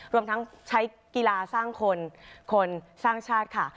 รวมทั้งใช้กีฬาสร้างคนคนสร้างชาติค่ะ